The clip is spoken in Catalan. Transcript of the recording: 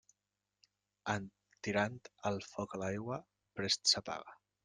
En tirant el foc a l'aigua, prest s'apaga.